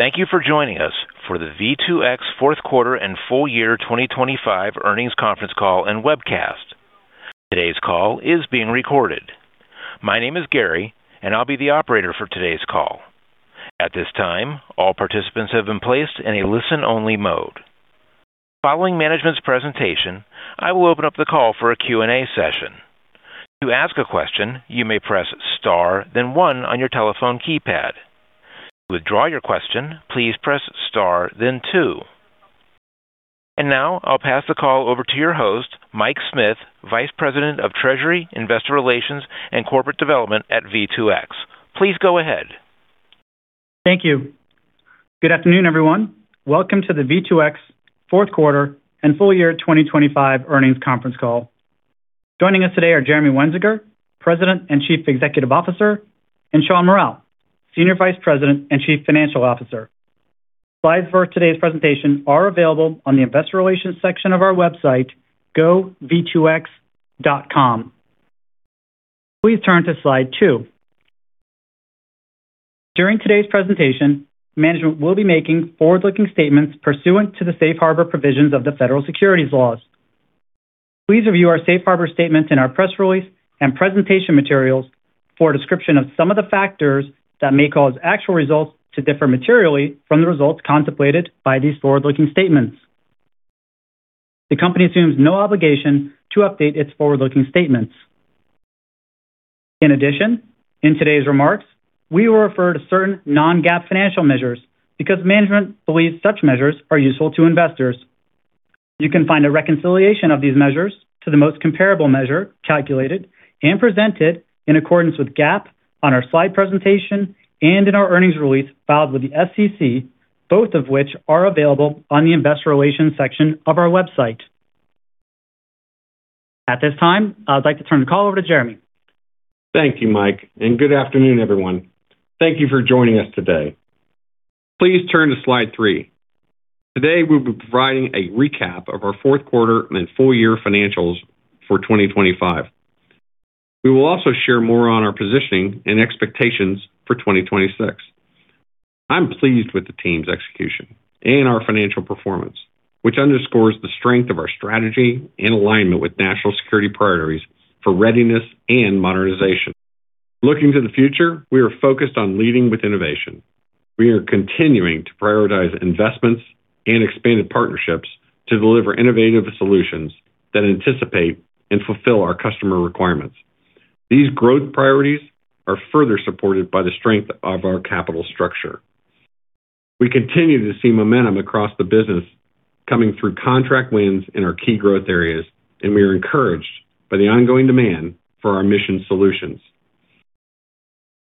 Thank you for joining us for the V2X Fourth Quarter and Full Year 2025 Earnings Conference Call and Webcast. Today's call is being recorded. My name is Gary, and I'll be the operator for today's call. At this time, all participants have been placed in a listen-only mode. Following management's presentation, I will open up the call for a Q&A session. To ask a question, you may press star, then one on your telephone keypad. To withdraw your question, please press star then two. Now I'll pass the call over to your host, Mike Smith, Vice President of Treasury, Investor Relations, and Corporate Development at V2X. Please go ahead. Thank you. Good afternoon, everyone. Welcome to the V2X Fourth Quarter and Full Year 2025 Earnings Conference Call. Joining us today are Jeremy Wensinger, President and Chief Executive Officer, and Shawn Mural, Senior Vice President and Chief Financial Officer. Slides for today's presentation are available on the investor relations section of our website, gov2x.com. Please turn to slide two. During today's presentation, management will be making forward-looking statements pursuant to the safe harbor provisions of the federal securities laws. Please review our safe harbor statements in our press release and presentation materials for a description of some of the factors that may cause actual results to differ materially from the results contemplated by these forward-looking statements. The company assumes no obligation to update its forward-looking statements. In addition, in today's remarks, we will refer to certain non-GAAP financial measures because management believes such measures are useful to investors. You can find a reconciliation of these measures to the most comparable measure, calculated and presented in accordance with GAAP on our slide presentation and in our earnings release filed with the SEC, both of which are available on the investor relations section of our website. At this time, I'd like to turn the call over to Jeremy. Thank you, Mike, and good afternoon, everyone. Thank you for joining us today. Please turn to slide three. Today, we'll be providing a recap of our fourth quarter and full year financials for 2025. We will also share more on our positioning and expectations for 2026. I'm pleased with the team's execution and our financial performance, which underscores the strength of our strategy and alignment with national security priorities for readiness and modernization. Looking to the future, we are focused on leading with innovation. We are continuing to prioritize investments and expanded partnerships to deliver innovative solutions that anticipate and fulfill our customer requirements. These growth priorities are further supported by the strength of our capital structure. We continue to see momentum across the business coming through contract wins in our key growth areas, and we are encouraged by the ongoing demand for our mission solutions.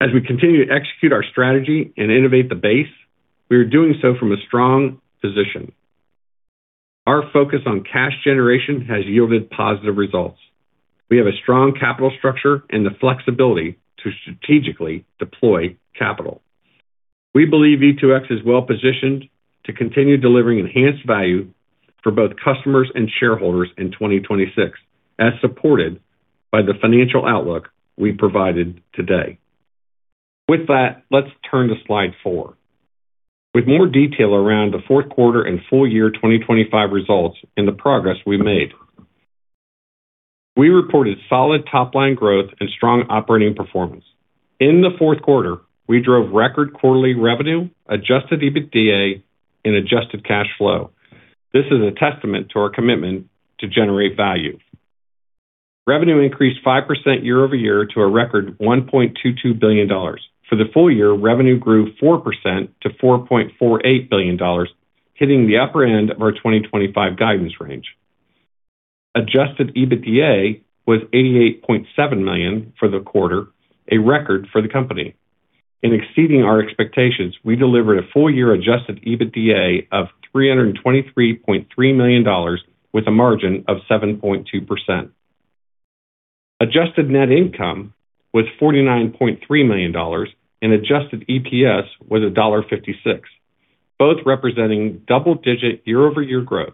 As we continue to execute our strategy and innovate the base, we are doing so from a strong position. Our focus on cash generation has yielded positive results. We have a strong capital structure and the flexibility to strategically deploy capital. We believe V2X is well-positioned to continue delivering enhanced value for both customers and shareholders in 2026, as supported by the financial outlook we provided today. With that, let's turn to slide four. With more detail around the fourth quarter and full year 2025 results and the progress we made. We reported solid top-line growth and strong operating performance. In the fourth quarter, we drove record quarterly revenue, Adjusted EBITDA, and adjusted cash flow. This is a testament to our commitment to generate value. Revenue increased 5% year-over-year to a record $1.22 billion. For the full year, revenue grew 4% to $4.48 billion, hitting the upper end of our 2025 guidance range. Adjusted EBITDA was $88.7 million for the quarter, a record for the company. In exceeding our expectations, we delivered a full-year Adjusted EBITDA of $323.3 million, with a margin of 7.2%. Adjusted net income was $49.3 million, and Adjusted EPS was $1.56, both representing double-digit year-over-year growth.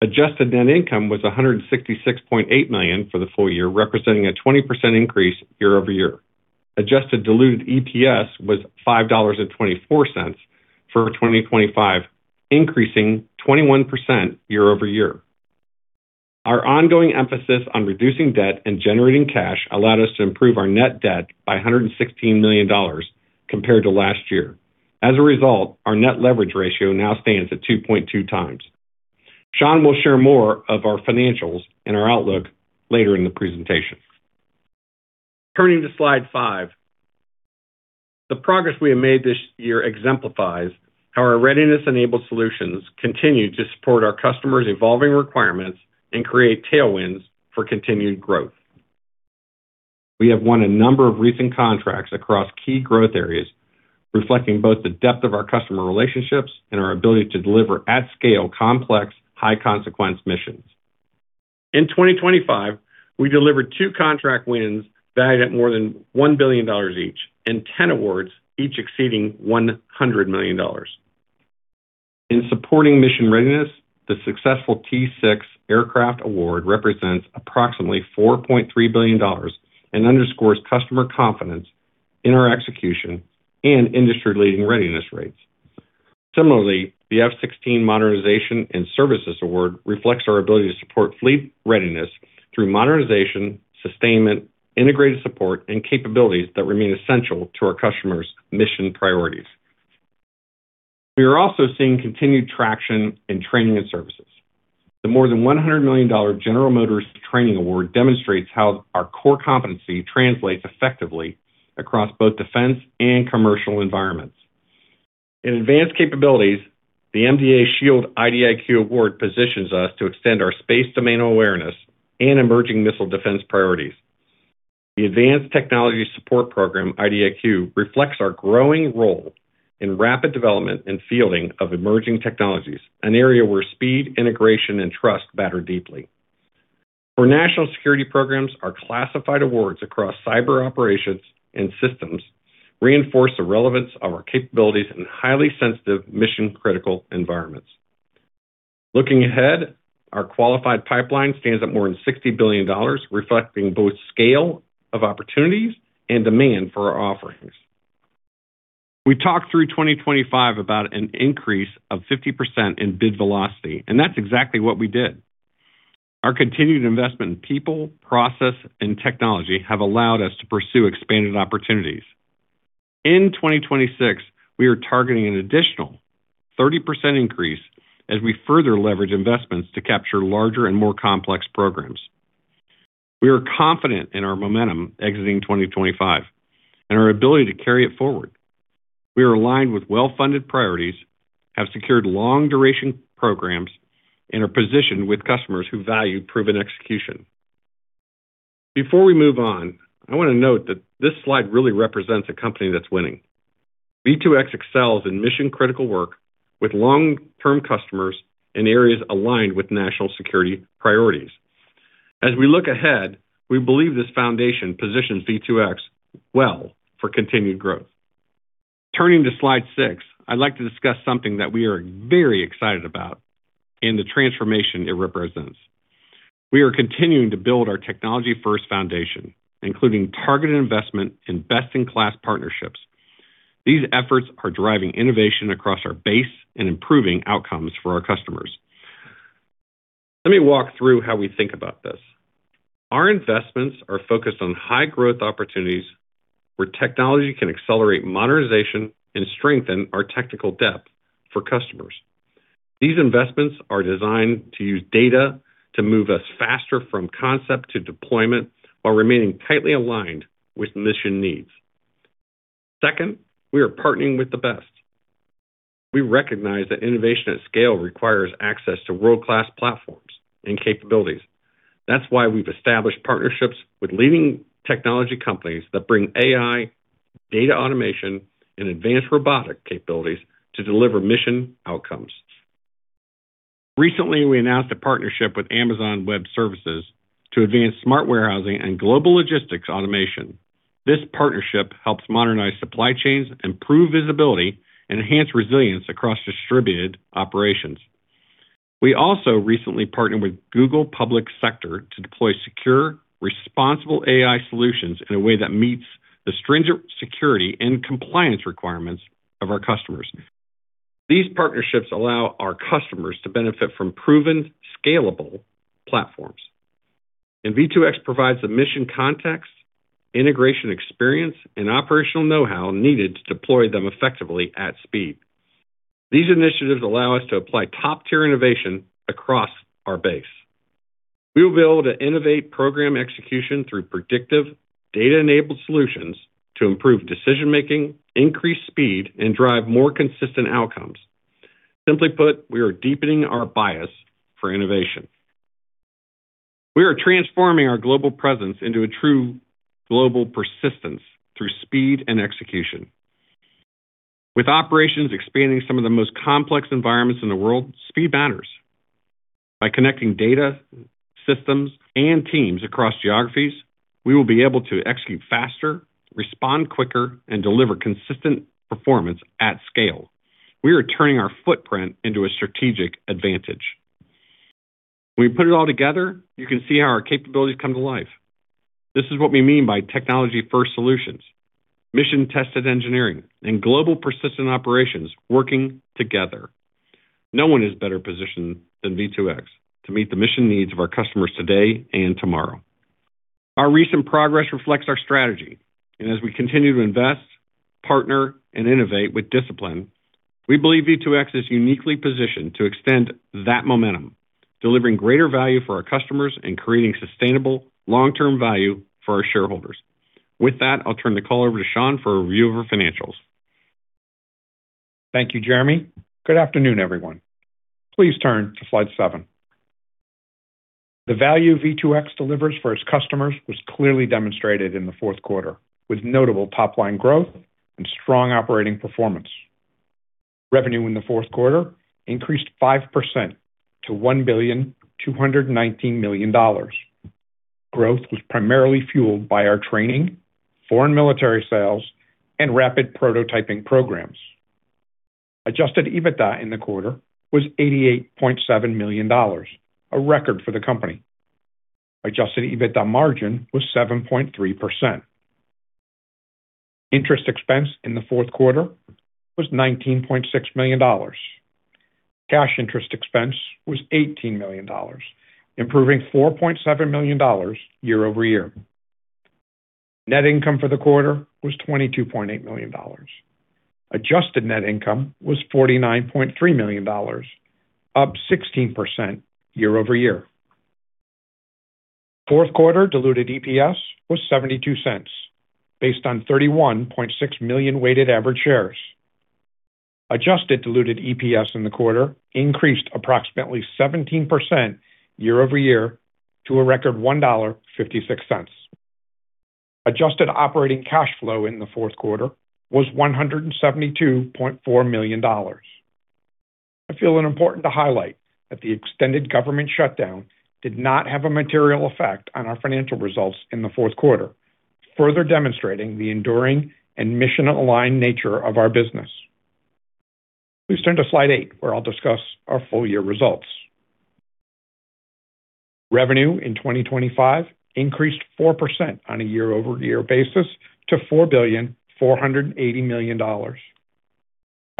Adjusted net income was $166.8 million for the full year, representing a 20% increase year-over-year. Adjusted diluted EPS was $5.24 for 2025, increasing 21% year-over-year. Our ongoing emphasis on reducing debt and generating cash allowed us to improve our net debt by $116 million compared to last year. As a result, our net leverage ratio now stands at 2.2 times. Shawn will share more of our financials and our outlook later in the presentation. Turning to slide five, the progress we have made this year exemplifies how our readiness-enabled solutions continue to support our customers' evolving requirements and create tailwinds for continued growth. We have won a number of recent contracts across key growth areas, reflecting both the depth of our customer relationships and our ability to deliver at-scale, complex, high-consequence missions. In 2025, we delivered two contract wins valued at more than $1 billion each, and 10 awards, each exceeding $100 million. In supporting mission readiness, the successful T-6 Aircraft Award represents approximately $4.3 billion and underscores customer confidence in our execution and industry-leading readiness rates. Similarly, the F-16 Modernization and Services Award reflects our ability to support fleet readiness through modernization, sustainment, integrated support, and capabilities that remain essential to our customers' mission priorities. We are also seeing continued traction in training and services. The more than $100 million General Motors training award demonstrates how our core competency translates effectively across both defense and commercial environments. In advanced capabilities, the MDA SHIELD IDIQ award positions us to extend our space domain awareness and emerging missile defense priorities. The Advanced Technology Support Program IV IDIQ reflects our growing role in rapid development and fielding of emerging technologies, an area where speed, integration, and trust matter deeply. For national security programs, our classified awards across cyber operations and systems reinforce the relevance of our capabilities in highly sensitive, mission-critical environments. Looking ahead, our qualified pipeline stands at more than $60 billion, reflecting both scale of opportunities and demand for our offerings. We talked through 2025 about an increase of 50% in bid velocity. That's exactly what we did. Our continued investment in people, process, and technology have allowed us to pursue expanded opportunities. In 2026, we are targeting an additional 30% increase as we further leverage investments to capture larger and more complex programs. We are confident in our momentum exiting 2025 and our ability to carry it forward. We are aligned with well-funded priorities, have secured long-duration programs, and are positioned with customers who value proven execution. Before we move on, I want to note that this slide really represents a company that's winning. V2X excels in mission-critical work with long-term customers in areas aligned with national security priorities. As we look ahead, we believe this foundation positions V2X well for continued growth. Turning to slide six, I'd like to discuss something that we are very excited about and the transformation it represents. We are continuing to build our technology-first foundation, including targeted investment in best-in-class partnerships. These efforts are driving innovation across our base and improving outcomes for our customers. Let me walk through how we think about this. Our investments are focused on high-growth opportunities where technology can accelerate modernization and strengthen our technical depth for customers. These investments are designed to use data to move us faster from concept to deployment, while remaining tightly aligned with mission needs. Second, we are partnering with the best. We recognize that innovation at scale requires access to world-class platforms and capabilities. That's why we've established partnerships with leading technology companies that bring AI, data automation, and advanced robotic capabilities to deliver mission outcomes. Recently, we announced a partnership with Amazon Web Services to advance smart warehousing and global logistics automation. This partnership helps modernize supply chains, improve visibility, and enhance resilience across distributed operations. We also recently partnered with Google Public Sector to deploy secure, responsible AI solutions in a way that meets the stringent security and compliance requirements of our customers. These partnerships allow our customers to benefit from proven, scalable platforms, and V2X provides the mission context, integration experience, and operational know-how needed to deploy them effectively at speed. These initiatives allow us to apply top-tier innovation across our base. We will be able to innovate program execution through predictive, data-enabled solutions to improve decision-making, increase speed, and drive more consistent outcomes. Simply put, we are deepening our bias for innovation. We are transforming our global presence into a true global persistence through speed and execution. With operations expanding some of the most complex environments in the world, speed matters. By connecting data, systems, and teams across geographies, we will be able to execute faster, respond quicker, and deliver consistent performance at scale. We are turning our footprint into a strategic advantage. When you put it all together, you can see how our capabilities come to life. This is what we mean by technology-first solutions, mission-tested engineering, and global persistent operations working together. No one is better positioned than V2X to meet the mission needs of our customers today and tomorrow. Our recent progress reflects our strategy, and as we continue to invest, partner, and innovate with discipline, we believe V2X is uniquely positioned to extend that momentum, delivering greater value for our customers and creating sustainable long-term value for our shareholders. With that, I'll turn the call over to Shawn for a review of our financials. Thank you, Jeremy. Good afternoon, everyone. Please turn to slide seven. The value V2X delivers for its customers was clearly demonstrated in the fourth quarter, with notable top-line growth and strong operating performance. Revenue in the fourth quarter increased 5% to $1,219 million. Growth was primarily fueled by our training, Foreign Military Sales, and rapid prototyping programs. Adjusted EBITDA in the quarter was $88.7 million, a record for the company. Adjusted EBITDA margin was 7.3%. Interest expense in the fourth quarter was $19.6 million. Cash interest expense was $18 million, improving $4.7 million year-over-year. Net income for the quarter was $22.8 million. Adjusted net income was $49.3 million, up 16% year-over-year. Fourth quarter diluted EPS was $0.72, based on 31.6 million weighted average shares. Adjusted diluted EPS in the quarter increased approximately 17% year-over-year to a record $1.56. Adjusted operating cash flow in the fourth quarter was $172.4 million. I feel it important to highlight that the extended government shutdown did not have a material effect on our financial results in the fourth quarter, further demonstrating the enduring and mission-aligned nature of our business. Please turn to slide eight, where I'll discuss our full year results. Revenue in 2025 increased 4% on a year-over-year basis to $4.48 billion.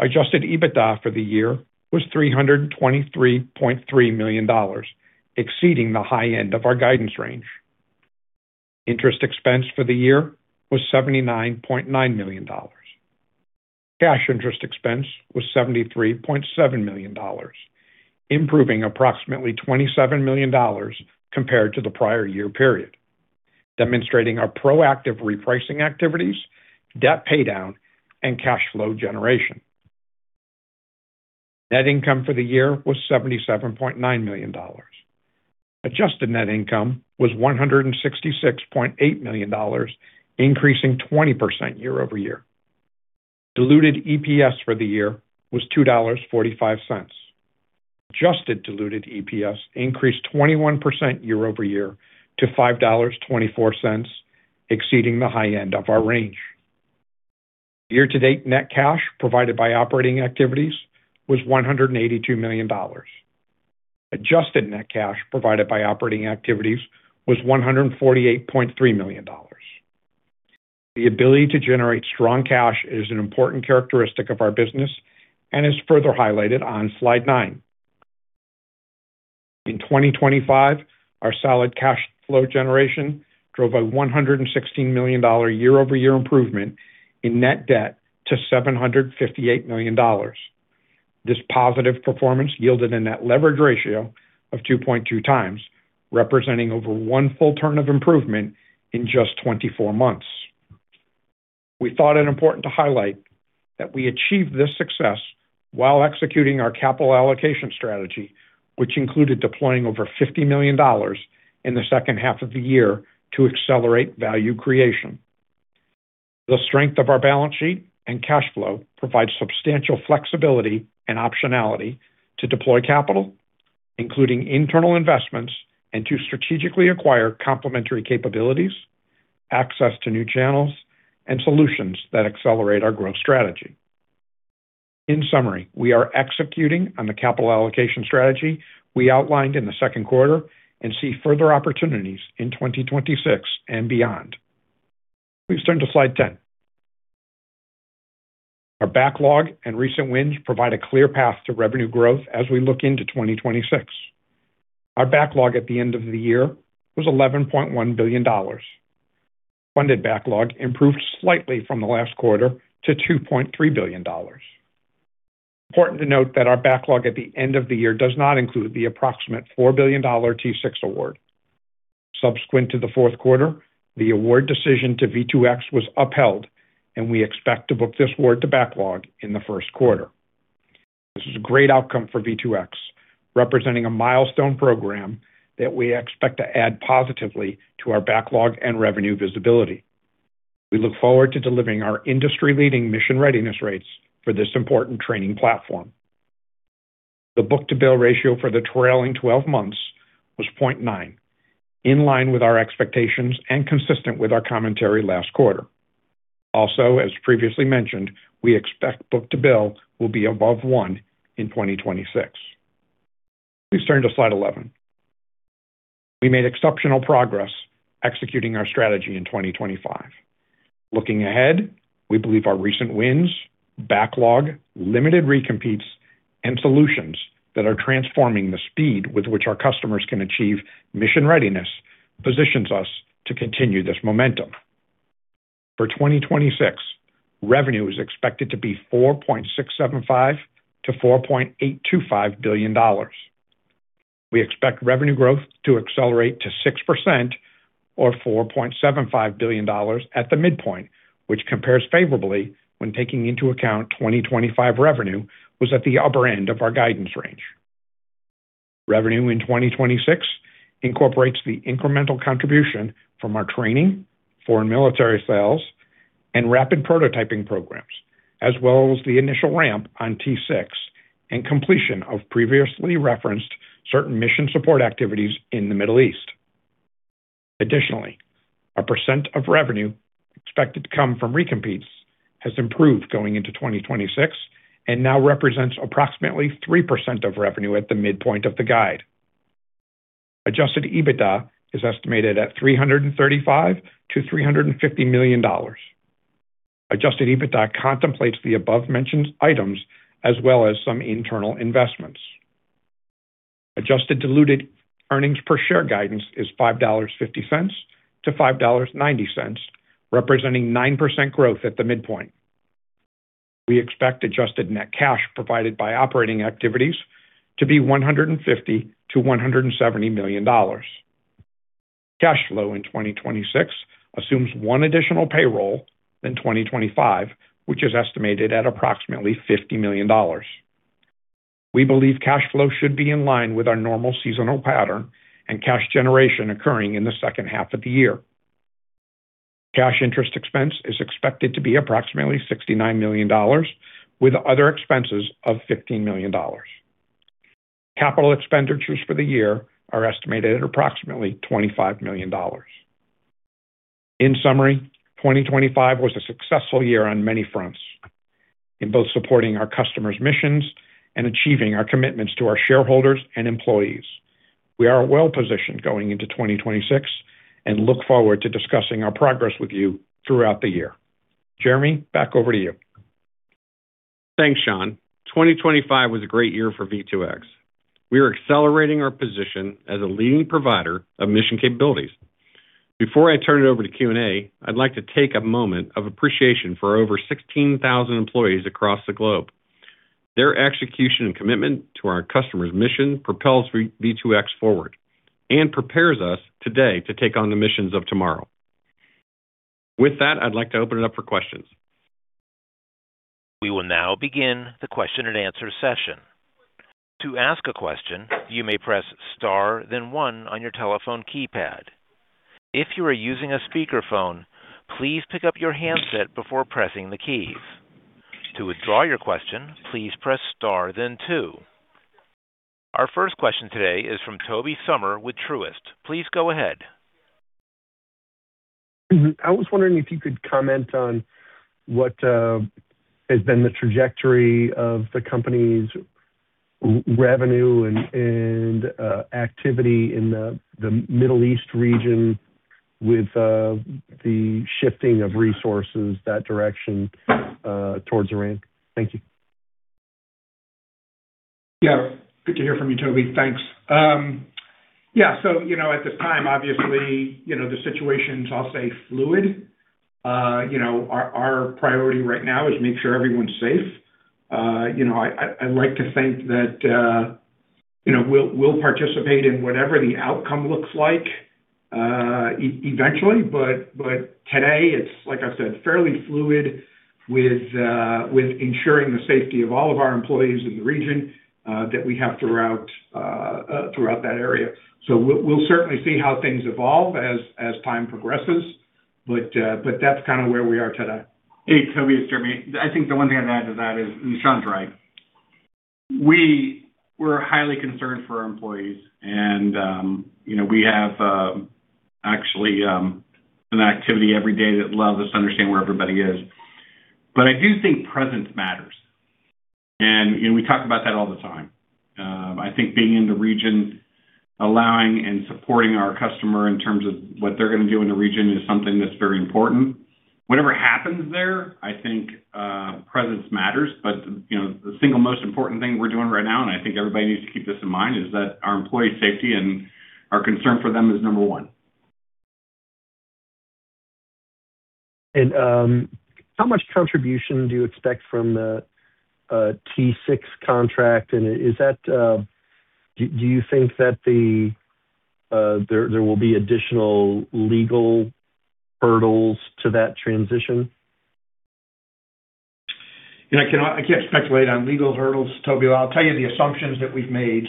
Adjusted EBITDA for the year was $323.3 million, exceeding the high end of our guidance range. Interest expense for the year was $79.9 million. Cash interest expense was $73.7 million, improving approximately $27 million compared to the prior year period, demonstrating our proactive repricing activities, debt paydown, and cash flow generation. Net income for the year was $77.9 million. Adjusted net income was $166.8 million, increasing 20% year-over-year. Diluted EPS for the year was $2.45. Adjusted diluted EPS increased 21% year-over-year to $5.24, exceeding the high end of our range. Year-to-date net cash provided by operating activities was $182 million. Adjusted net cash provided by operating activities was $148.3 million. The ability to generate strong cash is an important characteristic of our business and is further highlighted on slide nine. In 2025, our solid cash flow generation drove a $116 million year-over-year improvement in net debt to $758 million. This positive performance yielded a net leverage ratio of 2.2 times, representing over one full turn of improvement in just 24 months. We thought it important to highlight that we achieved this success while executing our capital allocation strategy, which included deploying over $50 million in the second half of the year to accelerate value creation. The strength of our balance sheet and cash flow provides substantial flexibility and optionality to deploy capital, including internal investments, and to strategically acquire complementary capabilities, access to new channels, and solutions that accelerate our growth strategy. In summary, we are executing on the capital allocation strategy we outlined in the second quarter and see further opportunities in 2026 and beyond. Please turn to slide 10. Our backlog and recent wins provide a clear path to revenue growth as we look into 2026. Our backlog at the end of the year was $11.1 billion. Funded backlog improved slightly from the last quarter to $2.3 billion. Important to note that our backlog at the end of the year does not include the approximate $4 billion T-6 award. Subsequent to the fourth quarter, the award decision to V2X was upheld, and we expect to book this award to backlog in the first quarter. This is a great outcome for V2X, representing a milestone program that we expect to add positively to our backlog and revenue visibility. We look forward to delivering our industry-leading mission readiness rates for this important training platform. The book-to-bill ratio for the trailing 12 months was 0.9, in line with our expectations and consistent with our commentary last quarter. As previously mentioned, we expect book-to-bill will be above 1 in 2026. Please turn to slide 11. We made exceptional progress executing our strategy in 2025. Looking ahead, we believe our recent wins, backlog, limited recompetes, and solutions that are transforming the speed with which our customers can achieve mission readiness positions us to continue this momentum. For 2026, revenue is expected to be $4.675 billion-$4.825 billion. We expect revenue growth to accelerate to 6% or $4.75 billion at the midpoint, which compares favorably when taking into account 2025 revenue was at the upper end of our guidance range. Revenue in 2026 incorporates the incremental contribution from our training, Foreign Military Sales and rapid prototyping programs, as well as the initial ramp on T-6 and completion of previously referenced certain mission support activities in the Middle East. Additionally, a % of revenue expected to come from recompetes has improved going into 2026, and now represents approximately 3% of revenue at the midpoint of the guide. Adjusted EBITDA is estimated at $335 million to $350 million. Adjusted EBITDA contemplates the above-mentioned items as well as some internal investments. Adjusted diluted earnings per share guidance is $5.50-$5.90, representing 9% growth at the midpoint. We expect adjusted net cash provided by operating activities to be $150 million to $170 million. Cash flow in 2026 assumes one additional payroll than 2025, which is estimated at approximately $50 million. We believe cash flow should be in line with our normal seasonal pattern and cash generation occurring in the second half of the year. Cash interest expense is expected to be approximately $69 million, with other expenses of $15 million. Capital expenditures for the year are estimated at approximately $25 million. In summary, 2025 was a successful year on many fronts, in both supporting our customers' missions and achieving our commitments to our shareholders and employees. We are well-positioned going into 2026 and look forward to discussing our progress with you throughout the year. Jeremy, back over to you. Thanks, Shawn. 2025 was a great year for V2X. We are accelerating our position as a leading provider of mission capabilities. Before I turn it over to Q&A, I'd like to take a moment of appreciation for our over 16,000 employees across the globe. Their execution and commitment to our customer's mission propels V2X forward and prepares us today to take on the missions of tomorrow. With that, I'd like to open it up for questions. We will now begin the question-and-answer session. To ask a question, you may press star, then one on your telephone keypad. If you are using a speakerphone, please pick up your handset before pressing the keys. To withdraw your question, please press star then two. Our first question today is from Tobey Sommer with Truist. Please go ahead. I was wondering if you could comment on what has been the trajectory of the company's revenue and activity in the Middle East region with the shifting of resources that direction towards Iran. Thank you. Yeah. Good to hear from you, Toby. Thanks. Yeah, so, you know, at this time, obviously, you know, the situation is, I'll say, fluid. you know, our, our priority right now is to make sure everyone's safe. you know I'd like to think that we'll participate in whatever the outcome looks like, eventually, but today, it's, like I said, fairly fluid with, with ensuring the safety of all of our employees in the region, that we have throughout, throughout that area. We-we'll certainly see how things evolve as, as time progresses, but, but that's kind of where we are today. Hey, Tobey, it's Jeremy. I think the one thing I'd add to that is, and Shawn's right, we-we're highly concerned for our employees and, you know, we have, actually, an activity every day that allows us to understand where everybody is. I do think presence matters, and, you know, we talk about that all the time. I think being in the region, allowing and supporting our customer in terms of what they're going to do in the region, is something that's very important. Whatever happens there, I think, presence matters. You know, the single most important thing we're doing right now, and I think everybody needs to keep this in mind, is that our employee safety and our concern for them is number one. How much contribution do you expect from the T-6 contract? Is that do you think that there will be additional legal hurdles to that transition? You know, I cannot, I can't speculate on legal hurdles, Tobey. I'll tell you the assumptions that we've made.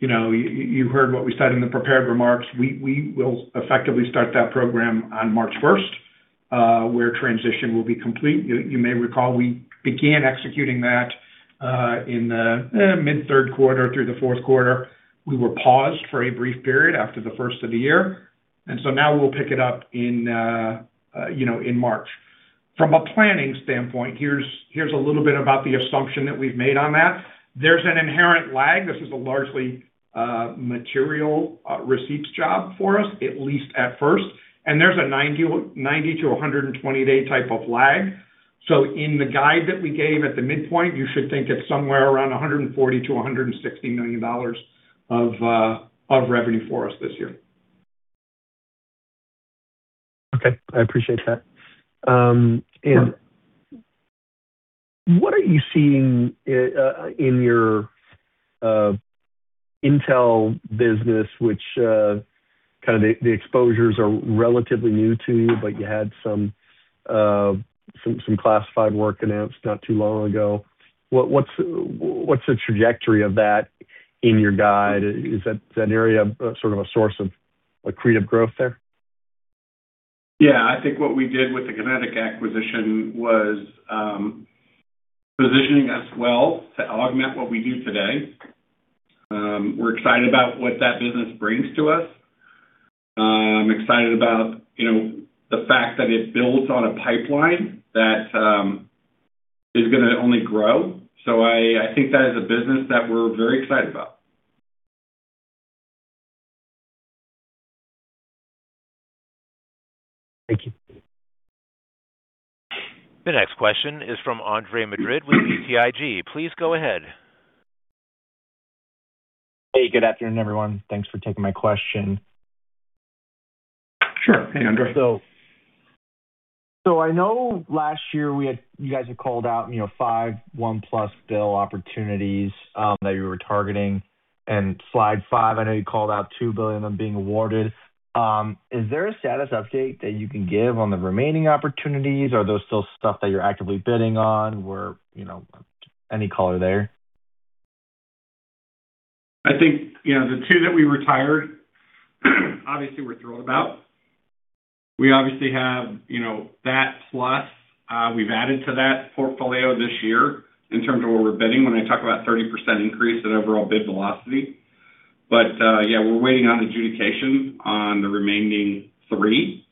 You know, you heard what we said in the prepared remarks. We will effectively start that program on 1st March, where transition will be complete. You may recall we began executing that in the mid third quarter through the fourth quarter. We were paused for a brief period after the first of the year, and so now we'll pick it up in, you know, in March. From a planning standpoint, here's a little bit about the assumption that we've made on that. There's an inherent lag. This is a largely material receipts job for us, at least at first, and there's a 90-120-day type of lag. In the guide that we gave at the midpoint, you should think it's somewhere around $140 million to $160 million of revenue for us this year. Okay, I appreciate that. What are you seeing in your intel business, which kind of exposures are relatively new to you, but you had some classified work announced not too long ago? Wha's the trajectory of that in your guide? Is that an area, sort of, a source of accretive growth there? Yeah, I think what we did with the QinetiQ acquisition was positioning us well to augment what we do today. We're excited about what that business brings to us. I'm excited about, you know, the fact that it builds on a pipeline that is gonna only grow. I think that is a business that we're very excited about. Thank you. The next question is from Andre Madrid with BTIG. Please go ahead. Hey, good afternoon, everyone. Thanks for taking my question. Sure. Hey, Andre. I know last year you guys had called out, you know, 5 $1+ billion opportunities that you were targeting. Slide five, I know you called out $2 billion of them being awarded. Is there a status update that you can give on the remaining opportunities? Are those still stuff that you're actively bidding on, or, you know, any color there? I think, you know, the two that we retired, obviously, we're thrilled about. We obviously have, you know, that plus, we've added to that portfolio this year in terms of what we're bidding, when I talk about 30% increase in overall bid velocity. Yeah, we're waiting on adjudication on the remaining three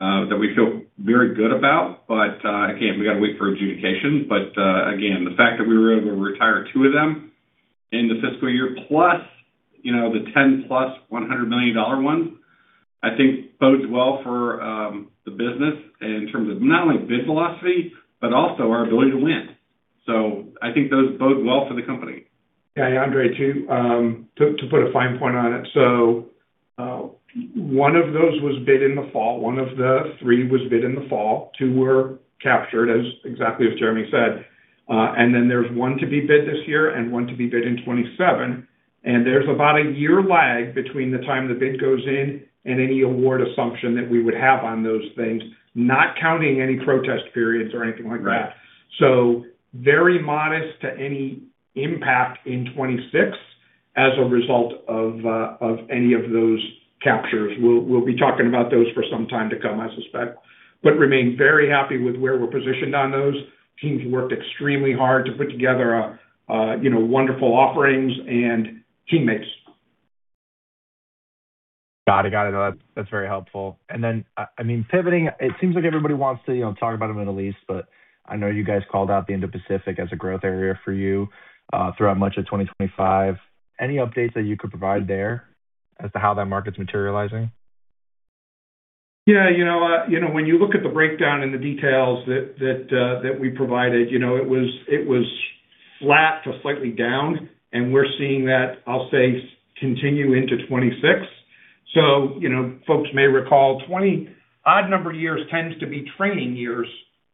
that we feel very good about, again, we got to wait for adjudication. Again, the fact that we were able to retire two of them in the fiscal year, plus, you know, the 10 plus $100 million ones, I think bodes well for the business in terms of not only bid velocity, but also our ability to win. I think those bode well for the company. Yeah, Andre to put a fine point on it. One of those was bid in the fall. One of the three was bid in the fall. Two were captured as, exactly as Jeremy said. Then there's one to be bid this year and one to be bid in 2027. There's about a one year lag between the time the bid goes in and any award assumption that we would have on those things, not counting any protest periods or anything like that. Right. very modest to any impact in 2026 as a result of, of any of those captures. We'll, we'll be talking about those for some time to come, I suspect, but remain very happy with where we're positioned on those. Teams worked extremely hard to put together a, you know, wonderful offerings, and teammates. Got it. Got it. That's very helpful. Then, I mean pivoting, it seems like everybody wants to, you know, talk about them in the least, but I know you guys called out the Indo-Pacific as a growth area for you throughout much of 2025. Any updates that you could provide there as to how that market's materializing? Yeah, you know, you know, when you look at the breakdown in the details that, that, that we provided, you know, it was, it was flat to slightly down, and we're seeing that, I'll say, continue into 2026. You know, folks may recall, 20-odd number years tends to be training years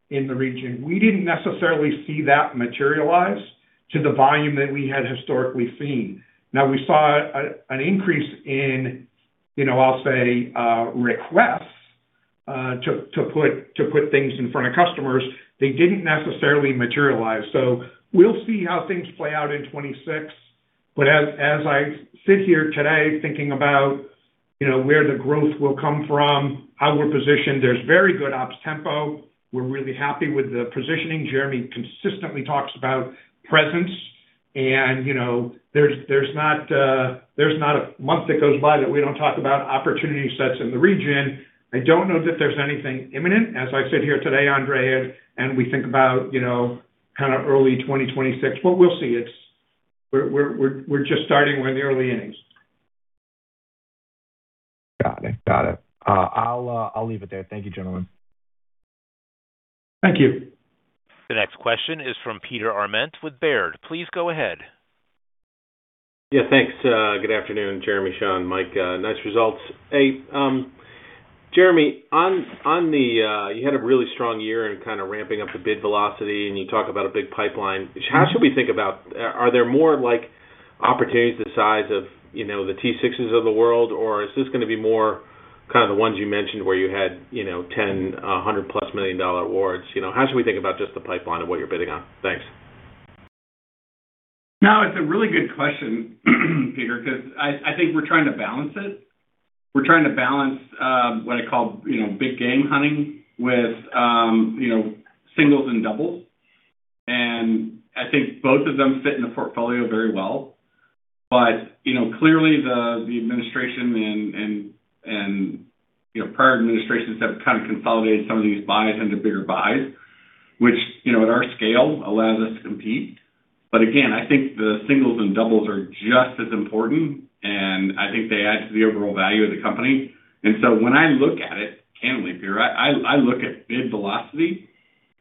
in the region. We didn't necessarily see that materialize to the volume that we had historically seen. Now, we saw a, an increase in, you know, I'll say, requests to put things in front of customers. They didn't necessarily materialize. We'll see how things play out in 2026. As, as I sit here today, thinking about where the growth will come from, how we're positioned, there's very good ops tempo. We're really happy with the positioning. Jeremy consistently talks about presence, and, you know, there's, there's not a, there's not a month that goes by that we don't talk about opportunity sets in the region. I don't know that there's anything imminent. As I sit here today, Andre, and, and we think about, you know, kind of early 2026, but we'll see. We're, we're, we're just starting. We're in the early innings. Got it. Got it. I'll leave it there. Thank you, gentlemen. Thank you. The next question is from Peter Arment with Baird. Please go ahead. Yeah, thanks. Good afternoon, Jeremy, Shawn, Mike, nice results. Hey, Jeremy, on the, you had a really strong year in kind of ramping up the bid velocity, and you talk about a big pipeline. How should we think about, are there more, like, opportunities the size of, you know, the T-6s of the world, or is this gonna be more kind of the ones you mentioned where you had, you know, 10, $100+ million awards? You know, how should we think about just the pipeline and what you're bidding on? Thanks. No, it's a really good question, Peter, because I think we're trying to balance it. We're trying to balance, what I call, you know, big game hunting with, you know, singles and doubles, and I think both of them fit in the portfolio very well. You know, clearly the, the administration and, you know, prior administrations have kind of consolidated some of these buys into bigger buys, which, you know, at our scale, allows us to compete. Again, I think the singles and doubles are just as important, and I think they add to the overall value of the company. So when I look at it, candidly, Peter, I look at bid velocity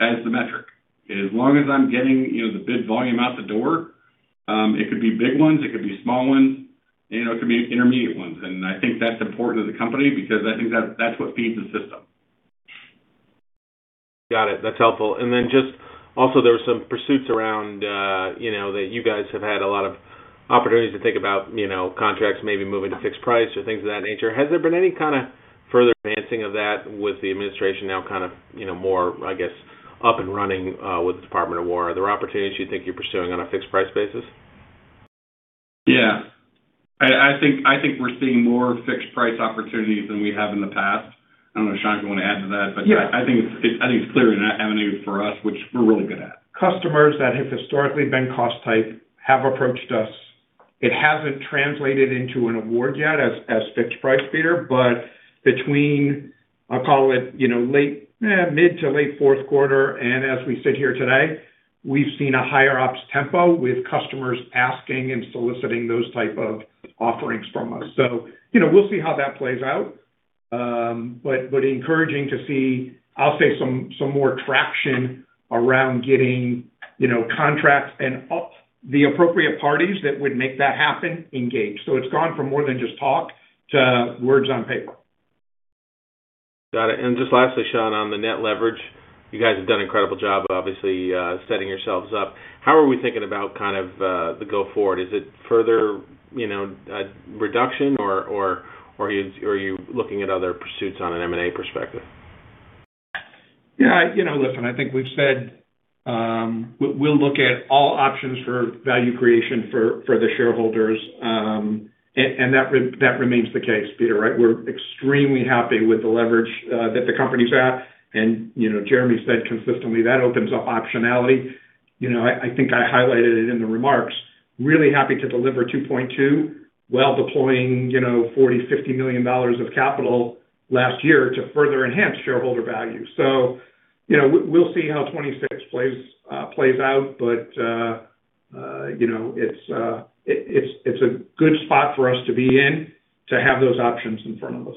as the metric. As long as I'm getting, you know, the bid volume out the door, it could be big ones, it could be small ones, you know, it could be intermediate ones. I think that's important to the company because I think that, that's what feeds the system. Got it. That's helpful. Just also, there were some pursuits around, you know, that you guys have had a lot of opportunities to think about, you know, contracts maybe moving to fixed price or things of that nature. Has there been any further advancing of that with the administration now kind of, you know, more, I guess, up and running, with the Department of Defense. Are there opportunities you think you're pursuing on a fixed price basis? Yeah. I think, I think we're seeing more fixed price opportunities than we have in the past. I don't know, Shawn, if you want to add to that. Yeah. I think it's clearly an avenue for us, which we're really good at. Customers that have historically been cost type have approached us. It hasn't translated into an award yet as, as fixed price, Peter, but between, I'll call it, you know, late, mid to late fourth quarter, and as we sit here today, we've seen a higher ops tempo with customers asking and soliciting those type of offerings from us. You know, we'll see how that plays out. But encouraging to see, I'll say, some, some more traction around getting, you know, contracts and up the appropriate parties that would make that happen, engaged. It's gone from more than just talk to words on paper. Got it. Just lastly, Shawn, on the net leverage, you guys have done an incredible job, obviously, setting yourselves up. How are we thinking about kind of, the go forward? Is it further, you know, reduction or, or, or are you, are you looking at other pursuits on an M&A perspective? Yeah, you know, listen, I think we've said, we'll look at all options for value creation for, for the shareholders. That remains the case, Peter, right? We're extremely happy with the leverage that the company's at. Jeremy said consistently, that opens up optionality. I think I highlighted it in the remarks, really happy to deliver 2.2 while deploying, you know, $40 million to $50 million of capital last year to further enhance shareholder value. You know, we'll see how 2026 plays plays out. You know it's a good spot for us to be in, to have those options in front of us.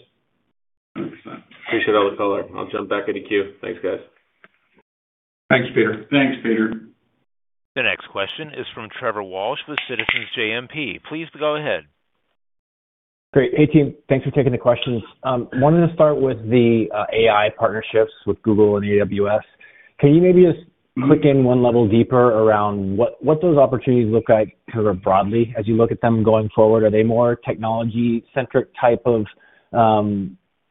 Appreciate all the color. I'll jump back in the queue. Thanks, guys. Thanks, Peter. Thanks, Peter. The next question is from Trevor Walsh with Citizens JMP. Please go ahead. Great. Hey, team. Thanks for taking the questions. Wanted to start with the AI partnerships with Google and AWS. Can you maybe just click in one level deeper around what, what those opportunities look like kind of broadly as you look at them going forward? Are they more technology-centric type of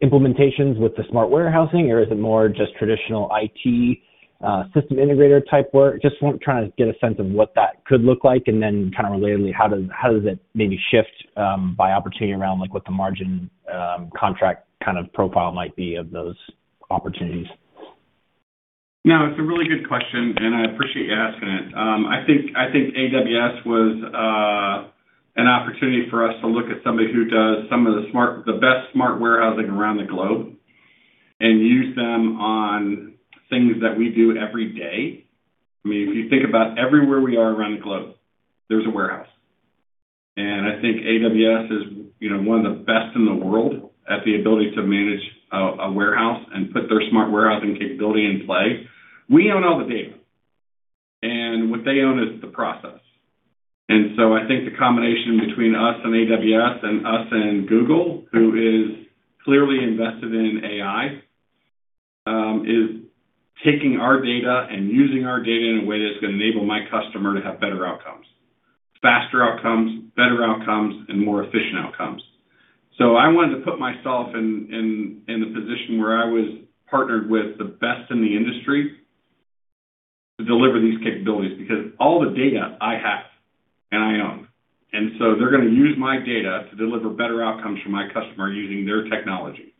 implementations with the smart warehousing, or is it more just traditional IT system integrator type work? Trying to get a sense of what that could look like, and then kind of relatedly, how does, how does it maybe shift by opportunity around, like, what the margin contract kind of profile might be of those opportunities? No, it's a really good question, and I appreciate you asking it. I think, I think AWS was an opportunity for us to look at somebody who does some of the best smart warehousing around the globe and use them on things that we do every day. I mean, if you think about everywhere we are around the globe, there's a warehouse. I think AWS is, you know, one of the best in the world at the ability to manage a warehouse and put their smart warehousing capability in play. We own all the data, and what they own is the process. I think the combination between us and AWS and us and Google, who is clearly invested in AI, is taking our data and using our data in a way that's gonna enable my customer to have better outcomes, faster outcomes, better outcomes, and more efficient outcomes. I wanted to put myself in, in, in the position where I was partnered with the best in the industry to deliver these capabilities, because all the data I have and I own. They're gonna use my data to deliver better outcomes for my customer using their technology.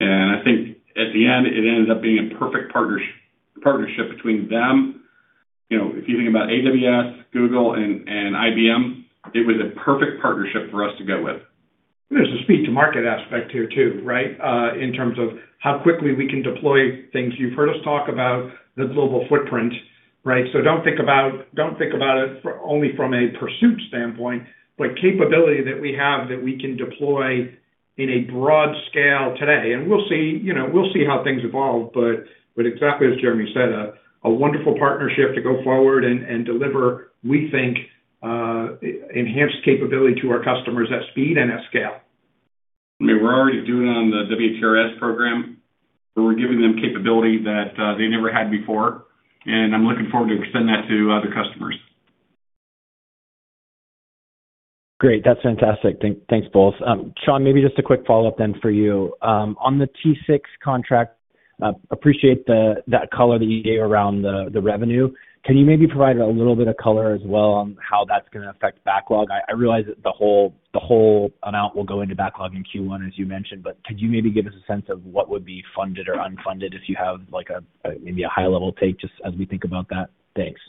I think at the end, it ended up being a perfect partnership between them. You know, if you think about AWS, Google, and IBM, it was a perfect partnership for us to go with. There's a speed to market aspect here too, right? In terms of how quickly we can deploy things. You've heard us talk about the global footprint, right? Don't think about, don't think about it only from a pursuit standpoint, but capability that we have that we can deploy in a broad scale today. We'll see, you know, we'll see how things evolve. But, but exactly as Jeremy said, a wonderful partnership to go forward and, and deliver, we think, enhanced capability to our customers at speed and at scale. I mean, we're already doing it on the WTRS program, but we're giving them capability that they never had before, and I'm looking forward to extend that to other customers. Great. That's fantastic. Thank, thanks, both. Shawn, maybe just a quick follow-up then for you. On the T-6 contract, appreciate the color that you gave around the revenue. Can you maybe provide a little bit of color as well on how that's gonna affect backlog? I realize that the whole amount will go into backlog in Q1, as you mentioned, but could you maybe give us a sense of what would be funded or unfunded if you have, like, a high-level take, just as we think about that? Thanks.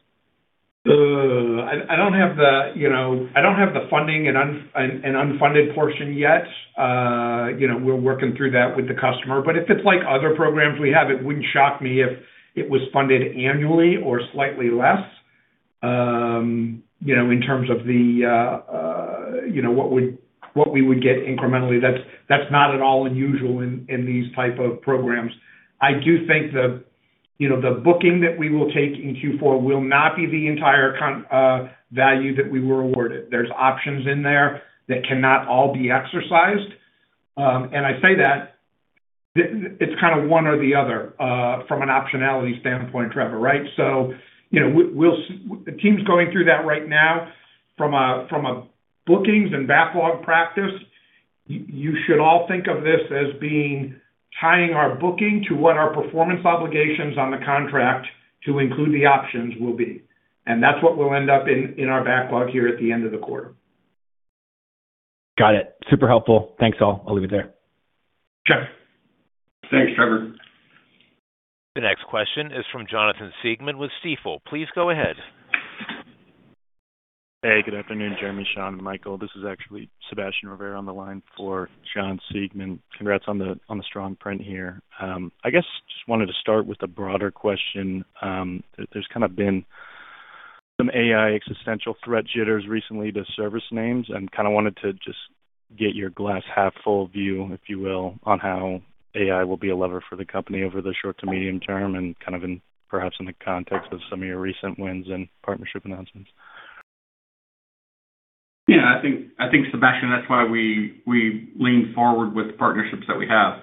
I don't have the, you know, I don't have the funding and unfunded portion yet. We're working through that with the customer, but if it's like other programs we have, it wouldn't shock me if it was funded annually or slightly less. In terms of the, you know, what we would get incrementally, that's, that's not at all unusual in these type of programs. I do think the, you know, the booking that we will take in Q4 will not be the entire value that we were awarded. There's options in there that cannot all be exercised. I say that. It's kind of one or the other, from an optionality standpoint, Trevor, right? You know, the team's going through that right now from a bookings and backlog practice. You should all think of this as being tying our booking to what our performance obligations on the contract to include the options will be. That's what will end up in our backlog here at the end of the quarter. Got it. Super helpful. Thanks, all. I'll leave it there. Sure. Thanks, Trevor. The next question is from Jonathan Siegmann with Stifel. Please go ahead. Hey, good afternoon, Jeremy, Shawn, and Mike. This is actually Sebastian Rivera on the line for John Siegmann. Congrats on the strong print here. I guess just wanted to start with a broader question. There's kind of been some AI existential threat jitters recently to service names, and kind of wanted to just get your glass-half-full view, if you will, on how AI will be a lever for the company over the short to medium term and perhaps in the context of some of your recent wins and partnership announcements. Yeah, I think, I think, Sebastian, that's why we, we leaned forward with the partnerships that we have.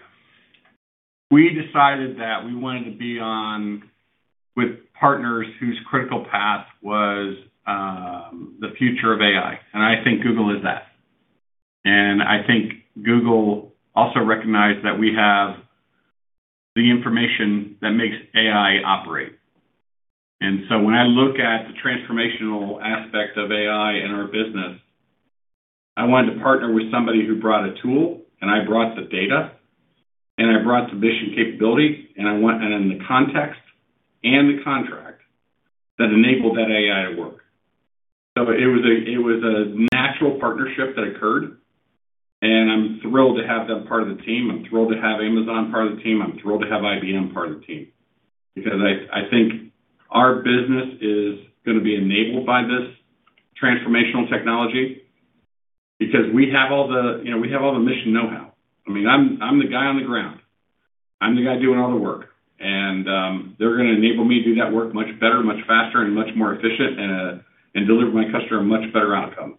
We decided that we wanted to be on with partners whose critical path was the future of AI. I think Google is that. I think Google also recognized that we have the information that makes AI operate. When I look at the transformational aspect of AI in our business, I wanted to partner with somebody who brought a tool, and I brought the data, and I brought the mission capability, and the context and the contract that enabled that AI to work. It was a, it was a natural partnership that occurred, and I'm thrilled to have them part of the team. I'm thrilled to have Amazon part of the team. I'm thrilled to have IBM part of the team because I, I think our business is going to be enabled by this transformational technology because we have all the, you know, we have all the mission know-how. I mean, I'm, I'm the guy on the ground. I'm the guy doing all the work, and they're going to enable me to do that work much better, much faster, and much more efficient and deliver my customer a much better outcome.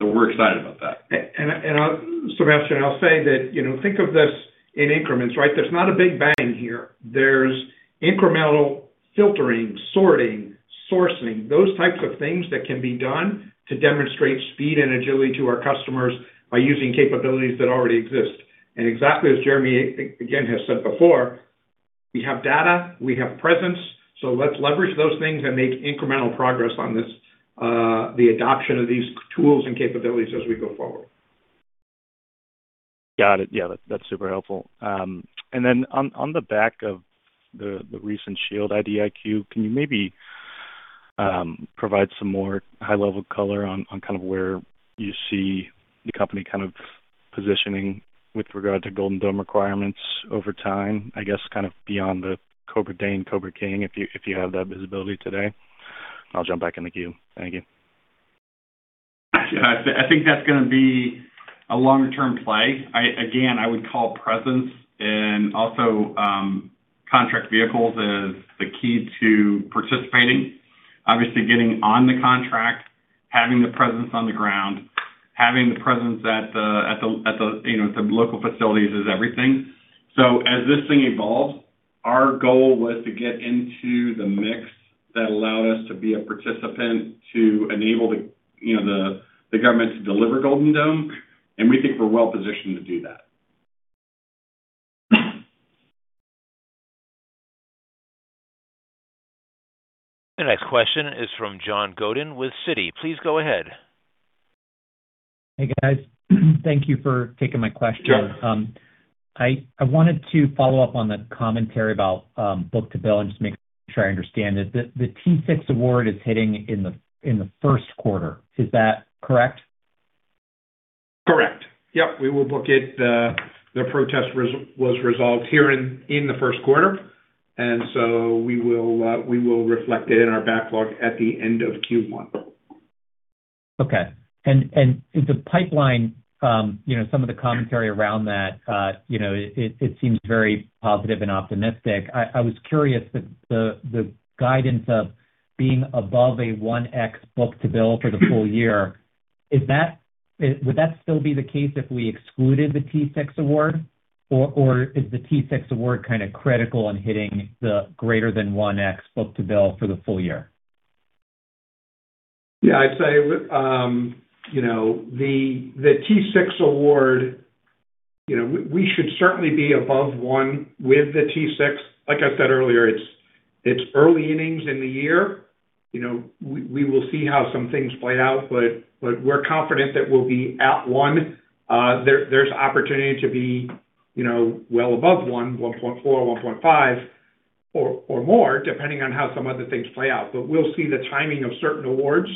We're excited about that. Sebastian, I'll say that, you know, think of this in increments, right? There's not a big bang here. There's incremental filtering, sorting, sourcing, those types of things that can be done to demonstrate speed and agility to our customers by using capabilities that already exist. Exactly as Jeremy, again, has said before, we have data, we have presence, so let's leverage those things and make incremental progress on this, the adoption of these tools and capabilities as we go forward. Got it. Yeah, that's super helpful. On, on the back of the, the recent SHIELD IDIQ, can you maybe provide some more high-level color on, on kind of where you see the company kind of positioning with regard to Guarding the Dome requirements over time? I guess kind of beyond the Cobra Dane, Cobra King, if you, if you have that visibility today. I'll jump back in the queue. Thank you. Yeah, I think that's going to be a longer-term play. Again, I would call presence and also, contract vehicles as the key to participating. Obviously, getting on the contract, having the presence on the ground, having the presence at the, at the, at the, you know, the local facilities is everything. So as this thing evolved, our goal was to get into the mix that allowed us to be a participant, to enable the, you know, the, the government to deliver Guarding the Dome, and we think we're well positioned to do that. The next question is from John Godin with Citi. Please go ahead. Hey, guys. Thank you for taking my question. Yeah. I wanted to follow up on the commentary about book-to-bill and just make sure I understand it. The T-6 award is hitting in the 1st quarter. Is that correct? Correct. Yep, we will book it. The protest was resolved here in the first quarter, so we will reflect it in our backlog at the end of Q1. Okay. The pipeline, you know, some of the commentary around that, you know it seems very positive and optimistic. I was curious, the guidance of being above a 1x book-to-bill for the full year, would that still be the case if we excluded the T-6 award? Or is the T-6 award kind of critical in hitting the greater than 1x book-to-bill for the full year? Yeah, I'd say, you know, the, the T-6 award, you know, we, we should certainly be above one with the T-6. Like I said earlier, it's, it's early innings in the year. You know, we, we will see how some things play out, but, but we're confident that we'll be at one. There, there's opportunity to be, you know, well above one, 1.4, 1.5 or, or more, depending on how some other things play out. We'll see the timing of certain awards,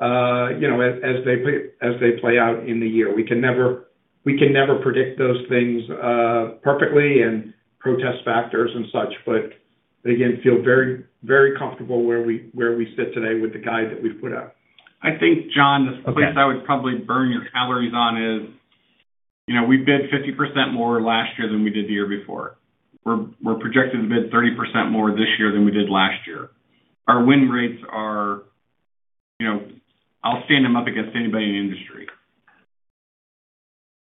you know, as, as they play, as they play out in the year. We can never, we can never predict those things perfectly and protest factors and such. Again, feel very, very comfortable where we, where we sit today with the guide that we've put out. I think, John, the place I would probably burn your calories on is, you know, we bid 50% more last year than we did the year before. We're, we're projected to bid 30% more this year than we did last year. Our win rates. You know, I'll stand them up against anybody in the industry.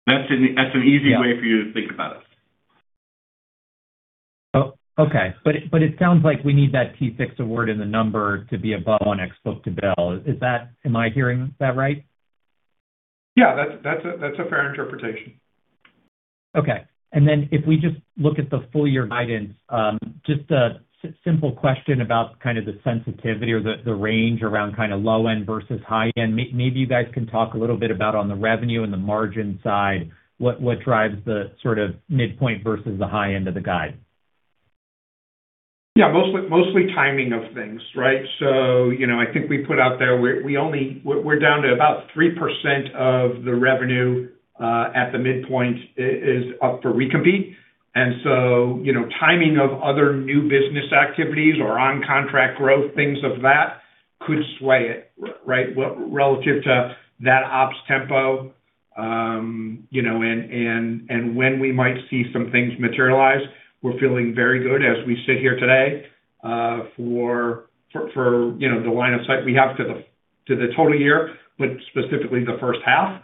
That's an, that's an easy way for you to think about it. Oh, okay. But it sounds like we need that T6 award in the number to be above on ex book-to-bill. Am I hearing that right? Yeah, that's a fair interpretation. Okay. If we just look at the full year guidance, just a simple question about kind of the sensitivity or the range around kind of low end versus high end. Maybe you guys can talk a little bit about on the revenue and the margin side, what drives the sort of midpoint versus the high end of the guide? Yeah, mostly, mostly timing of things, right? You know, I think we put out there we only we're down to about 3% of the revenue, at the midpoint, is up for recompete. You know, timing of other new business activities or on-contract growth, things of that, could sway it, right? Relative to that ops tempo, you know, and, and, and when we might see some things materialize, we're feeling very good as we sit here today, for you know, the line of sight we have to the, to the total year, but specifically the first half.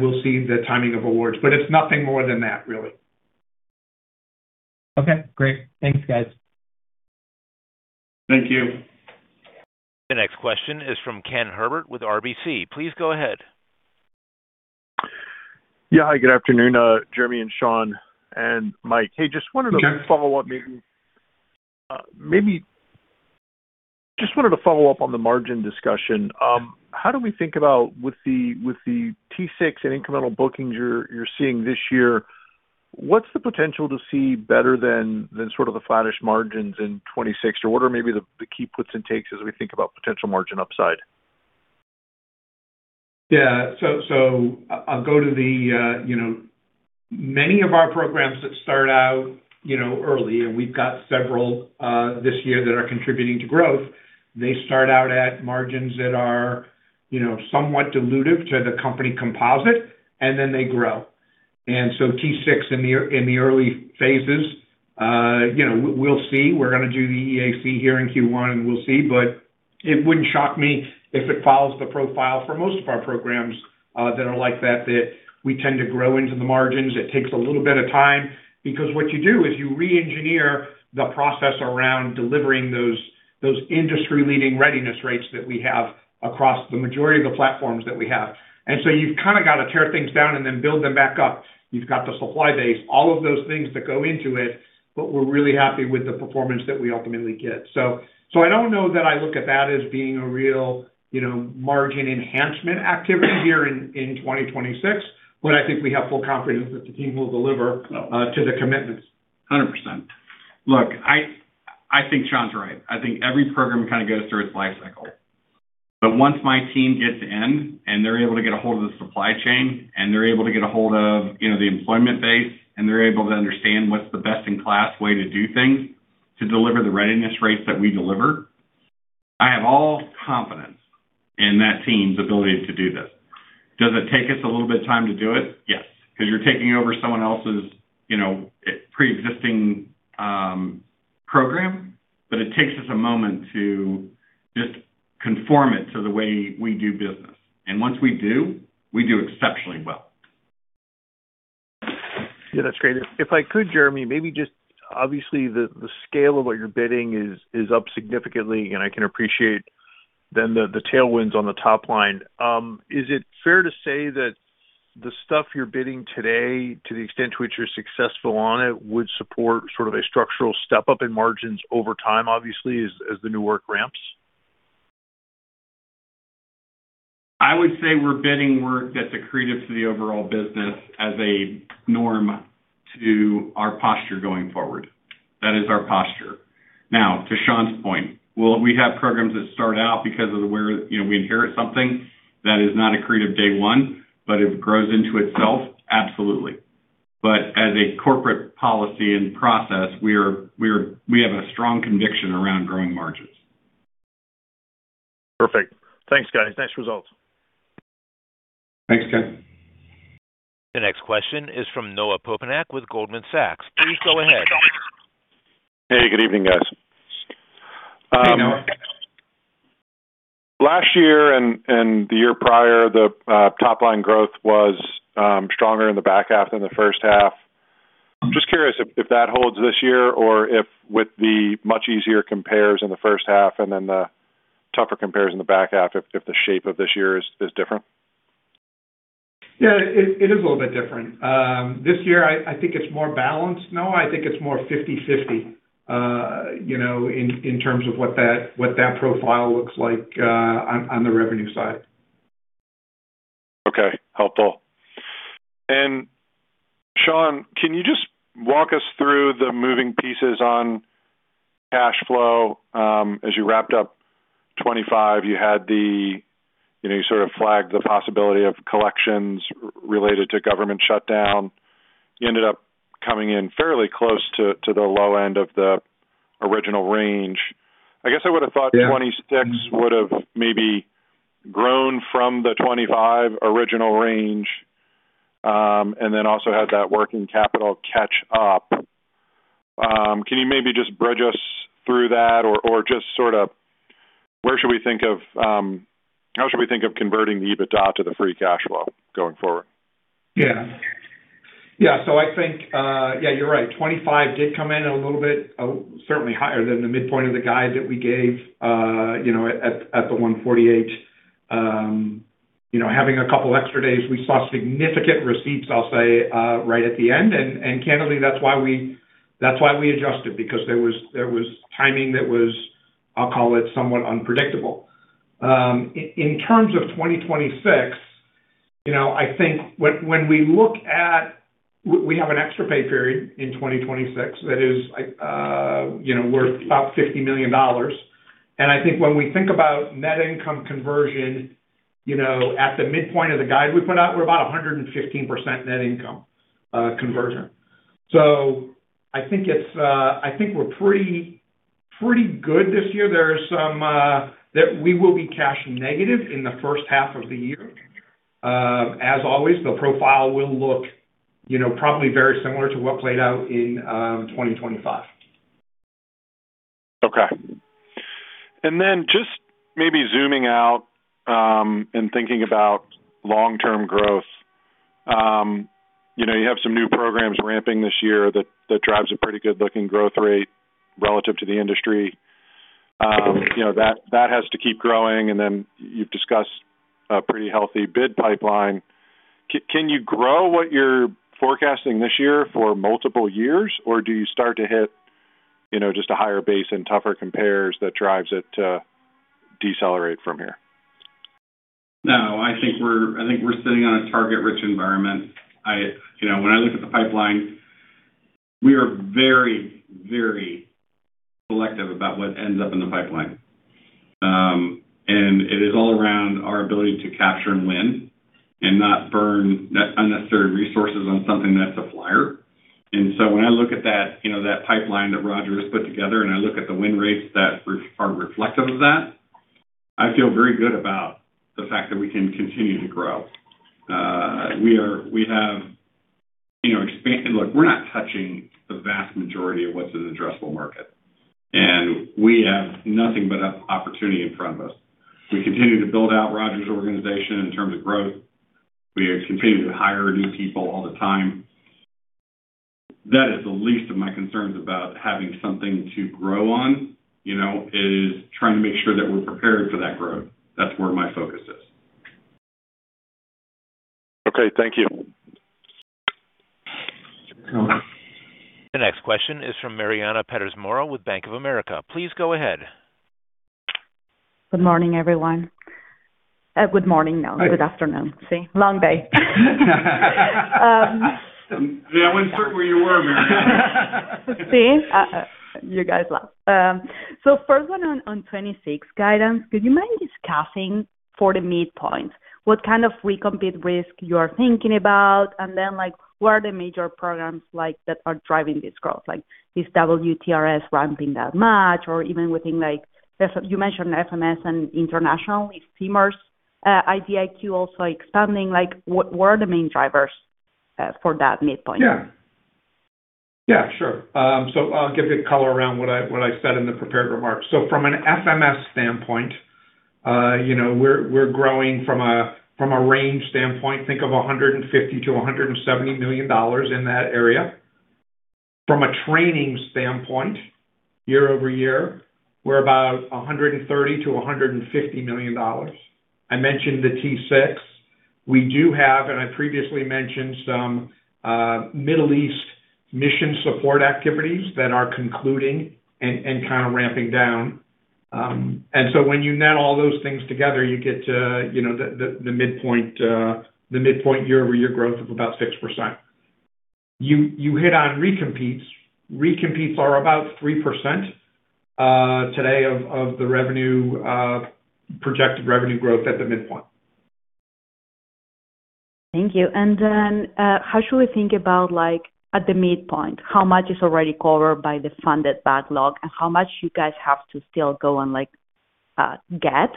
We'll see the timing of awards. It's nothing more than that, really. Okay, great. Thanks, guys. Thank you. The next question is from Kenneth Herbert with RBC. Please go ahead. Yeah. Hi, good afternoon, Jeremy and Shawn and Mike. Ken. Hey, just wanted to follow up, just wanted to follow up on the margin discussion. How do we think about with the T6 and incremental bookings you're seeing this year, what's the potential to see better than sort of the flattish margins in 2026? What are maybe the key puts and takes as we think about potential margin upside? Yeah, I'll go to the, you know, many of our programs that start out, you know, early, and we've got several, this year that are contributing to growth. They start out at margins that are, you know, somewhat dilutive to the company composite, and then they grow. T6 in the early phases, you know, we'll see. We're going to do the EAC here in Q1, and we'll see. It wouldn't shock me if it follows the profile for most of our programs, that are like that, that we tend to grow into the margins. It takes a little bit of time, because what you do is you reengineer the process around delivering those, those industry-leading readiness rates that we have across the majority of the platforms that we have. So you've kind of got to tear things down and then build them back up. You've got the supply base, all of those things that go into it, but we're really happy with the performance that we ultimately get. So I don't know that I look at that as being a real, you know, margin enhancement activity here in 2026, but I think we have full confidence that the team will deliver to the commitments. 100%. Look, I, I think Shawn's right. I think every program kind of goes through its life cycle. Once my team gets in, and they're able to get a hold of the supply chain, and they're able to get a hold of, you know, the employment base, and they're able to understand what's the best-in-class way to do things to deliver the readiness rates that we deliver, I have all confidence in that team's ability to do this. Does it take us a little bit of time to do it? Yes, because you're taking over someone else's, you know, preexisting program, but it takes us a moment to just conform it to the way we do business. Once we do, we do exceptionally well. Yeah, that's great. If I could, Jeremy, maybe just, obviously, the scale of what you're bidding is up significantly, and I can appreciate then the tailwinds on the top line. Is it fair to say that the stuff you're bidding today, to the extent to which you're successful on it, would support sort of a structural step-up in margins over time, obviously, as the new work ramps? I would say we're bidding work that's accretive to the overall business as a norm to our posture going forward. That is our posture. Now, to Shawn's point, will we have programs that start out because of the you know, we inherit something that is not accretive day one, but it grows into itself? Absolutely. As a corporate policy and process, we are, we have a strong conviction around growing margins. Perfect. Thanks, guys. Nice results. Thanks, Ken. The next question is from Noah Poponak with Goldman Sachs. Please go ahead. Hey, good evening, guys. Hey, Noah. Last year and the year prior, the top-line growth was stronger in the back half than the first half. Just curious if that holds this year or if with the much easier compares in the first half and then the tougher compares in the back half, if the shape of this year is different? Yeah, it is a little bit different. This year I think it's more balanced, Noah. I think it's more 50/50 in terms of what that, what that profile looks like on, on the revenue side. Okay. Helpful. Shawn, can you just walk us through the moving pieces on cash flow? As you wrapped up 2025, you had the, you know, you sort of flagged the possibility of collections related to government shutdown. You ended up coming in fairly close to, to the low end of the original range. I guess I would've thought- Yeah 26 would've maybe grown from the 25 original range, and then also had that working capital catch up. Can you maybe just bridge us through that? Or, or just sort of, where should we think of, how should we think of converting the EBITDA to the free cash flow going forward? Yeah. Yeah, so I think, yeah, you're right. 25 did come in a little bit, certainly higher than the midpoint of the guide that we gave, you know, at the 148. You know, having a couple extra days, we saw significant receipts, I'll say, right at the end. Candidly, that's why we, that's why we adjusted, because there was, there was timing that was, I'll call it, somewhat unpredictable. In terms of 2026, you know, I think when, when we look at, we have an extra pay period in 2026, that is like, you know, worth about $50 million. I think when we think about net income conversion, you know, at the midpoint of the guide we put out, we're about a 115% net income conversion. I think it's, I think we're pretty, pretty good this year. There's some that we will be cash negative in the first half of the year. As always, the profile will look, you know, probably very similar to what played out in 2025. Okay. Then just maybe zooming out, and thinking about long-term growth. You know, you have some new programs ramping this year that, that drives a pretty good looking growth rate relative to the industry. You know, that, that has to keep growing, and then you've discussed a pretty healthy bid pipeline. Can you grow what you're forecasting this year for multiple years, or do you start to hit, you know, just a higher base and tougher compares that drives it to decelerate from here? No, I think we're, I think we're sitting on a target-rich environment. You know, when I look at the pipeline, we are very, very selective about what ends up in the pipeline. It is all around our ability to capture and win and not burn unnecessary resources on something that's a flyer. When I look at that, you know, that pipeline that Roger has put together, and I look at the win rates that are reflective of that, I feel very good about the fact that we can continue to grow. We have, you know, Look, we're not touching the vast majority of what's an addressable market, and we have nothing but an opportunity in front of us. We continue to build out Roger's organization in terms of growth. We are continuing to hire new people all the time. That is the least of my concerns about having something to grow on, you know, it is trying to make sure that we're prepared for that growth. That's where my focus is. Okay, thank you. The next question is from Mariana Perez Mora with Bank of America. Please go ahead. Good morning, everyone. good morning, no. Good afternoon. See? Long day. Yeah, I wasn't sure where you were, Mariana. See, you guys laugh. First one on, on 2026 guidance. Could you mind discussing for the midpoint, what kind of re-compete risk you are thinking about? Then, what are the major programs like that are driving this growth? Is WTRS ramping that much, or even within, you mentioned FMS and international, is CMAR, IDIQ also expanding? What, what are the main drivers for that midpoint? Yeah. Yeah, sure. I'll give you color around what I, what I said in the prepared remarks. From an FMS standpoint, you know, we're, we're growing from a, from a range standpoint, think of $150 million to $170 million in that area. From a training standpoint, year-over-year, we're about $130 million to $150 million. I mentioned the T-6. We do have, and I previously mentioned some, Middle East mission support activities that are concluding and, and kind of ramping down. When you net all those things together, you get to, you know, the, the, the midpoint, the midpoint year-over-year growth of about 6%. You, you hit on recompetes. Recompetes are about 3% today of, of the revenue, projected revenue growth at the midpoint. Thank you. How should we think about, like, at the midpoint, how much is already covered by the funded backlog and how much you guys have to still go and, like, get?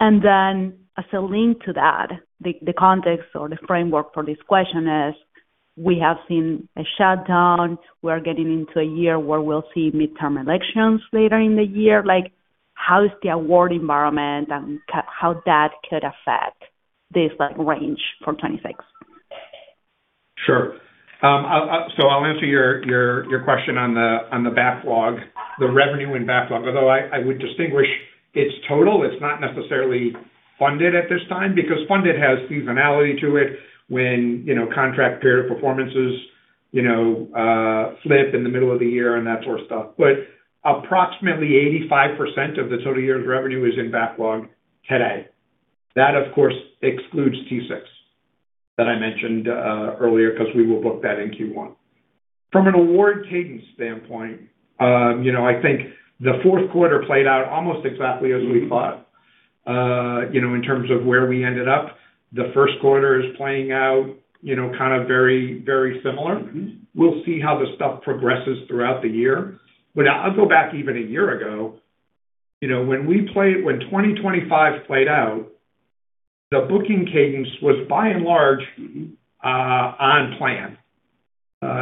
As a link to that, the, the context or the framework for this question is: we have seen a shutdown. We're getting into a year where we'll see midterm elections later in the year. Like, how is the award environment and how, how that could affect this, like, range for 26? Sure. I'll answer your, your, your question on the, on the backlog, the revenue in backlog. Although I, I would distinguish it's total, it's not necessarily funded at this time, because funded has seasonality to it when, you know, contract period performances, you know, slip in the middle of the year and that sort of stuff. Approximately 85% of the total year's revenue is in backlog today. That, of course, excludes T-6 that I mentioned earlier, because we will book that in Q1. From an award cadence standpoint, you know, I think the Q4 played out almost exactly as we thought, you know, in terms of where we ended up. The Q1 is playing out, you know, kind of very, very similar. We'll see how the stuff progresses throughout the year. I'll go back even a year ago. You know, when we when 2025 the booking cadence was by and large on plan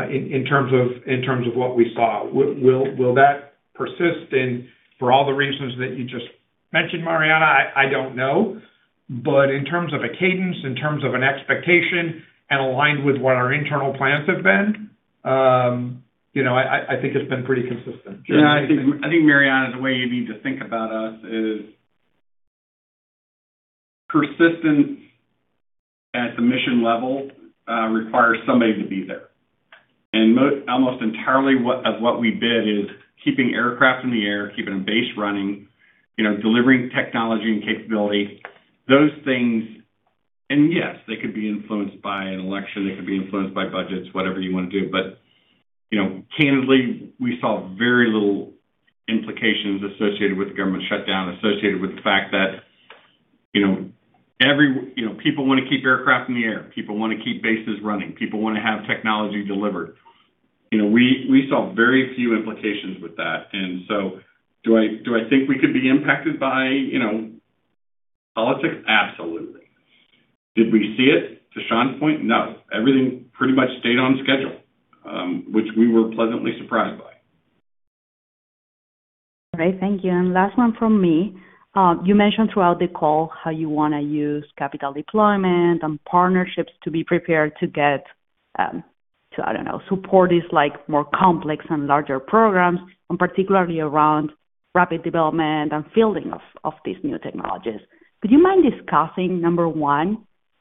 in, in terms of, in terms of what we saw. Will that persist? For all the reasons that you just mentioned, Mariana I don't know. In terms of a cadence, in terms of an expectation, and aligned with what our internal plans have been, you know I think it's been pretty consistent. Yeah, I think Mariana, the way you need to think about us is, persistence at the mission level requires somebody to be there. almost entirely, what, of what we bid is keeping aircraft in the air, keeping a base running, you know, delivering technology and capability. Those things yes, they could be influenced by an election, they could be influenced by budgets, whatever you want to do. Candidly, we saw very little implications associated with the government shutdown, associated with the fact that, you know, every, you know, people want to keep aircraft in the air, people want to keep bases running, people want to have technology delivered. You know, we saw very few implications with that. Do I, do I think we could be impacted by, you know, politics? Absolutely. Did we see it, to Shawn's point? No. Everything pretty much stayed on schedule, which we were pleasantly surprised by. Great. Thank you. Last one from me. You mentioned throughout the call how you wanna use capital deployment and partnerships to be prepared to get, to, I don't know, support these, like, more complex and larger programs, and particularly around rapid development and fielding of these new technologies. Could you mind discussing, number one,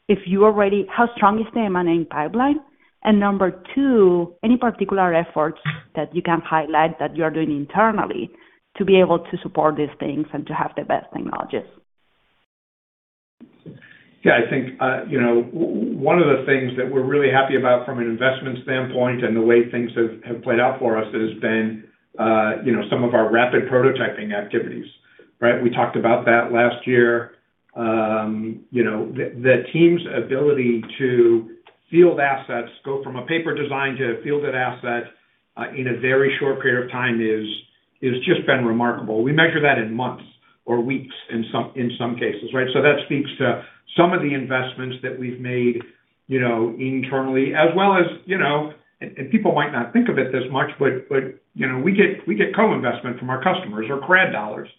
how strong is the M&A pipeline? Number two, any particular efforts that you can highlight that you are doing internally to be able to support these things and to have the best technologies? Yeah, I think, you know, one of the things that we're really happy about from an investment standpoint and the way things have, have played out for us has been, you know, some of our rapid prototyping activities, right? You know, the, the team's ability to field assets, go from a paper design to a fielded asset, in a very short period of time is, is just been remarkable. We measure that in months or weeks in some, in some cases, right? That speaks to some of the investments that we've made, you know, internally, as well as, you know, and, and people might not think of it this much, but we get, we get co-investment from our customers or grant dollars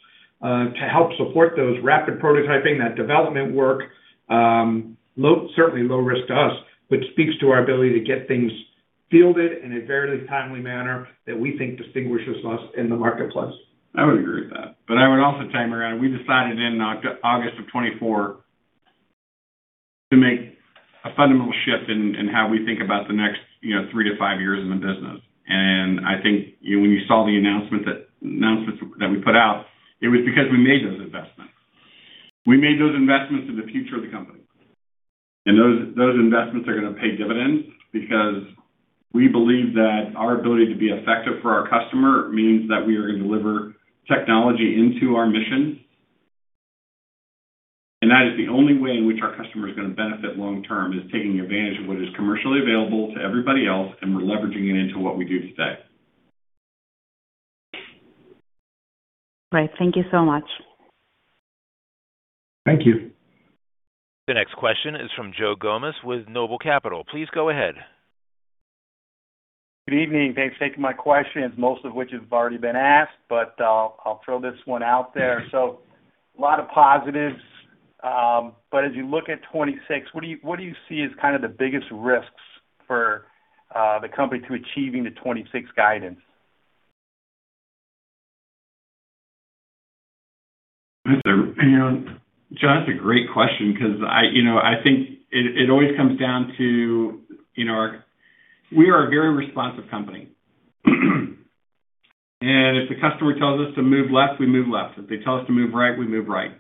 to help support those rapid prototyping, that development work. Low, certainly low risk to us, which speaks to our ability to get things fielded in a very timely manner that we think distinguishes us in the marketplace. I would agree with that. I would also chime around. We decided in August of 2024 to make a fundamental shift in, in how we think about the next, you know, three to five years in the business. I think when you saw the announcement that we put out, it was because we made those investments. We made those investments in the future of the company. Those, those investments are gonna pay dividends because we believe that our ability to be effective for our customer means that we are going to deliver technology into our mission. That is the only way in which our customer is gonna benefit long term, is taking advantage of what is commercially available to everybody else, and we're leveraging it into what we do today. Right. Thank you so much. Thank you. The next question is from Joe Gomes with Noble Capital. Please go ahead. Good evening. Thanks for taking my questions, most of which have already been asked. I'll throw this one out there. A lot of positives, as you look at 2026, what do you, what do you see as kind of the biggest risks for the company to achieving the 2026 guidance? You know, John, that's a great question because I, you know, I think it, it always comes down to, you know, we are a very responsive company. If the customer tells us to move left, we move left. If they tell us to move right, we move right.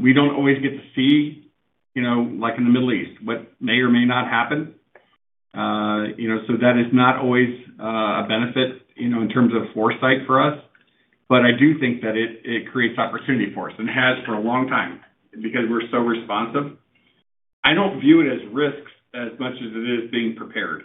We don't always get to see, you know, like in the Middle East, what may or may not happen. You know, so that is not always a benefit, you know, in terms of foresight for us. I do think that it, it creates opportunity for us, and has for a long time, because we're so responsive. I don't view it as risks as much as it is being prepared.